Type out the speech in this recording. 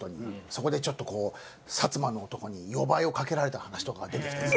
そこでちょっとこう薩摩の男に夜這いをかけられた話とかが出てきたり。